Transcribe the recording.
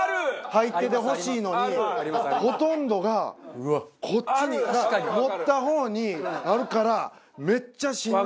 入っててほしいのにほとんどがこっちに持った方にあるからめっちゃしんどい。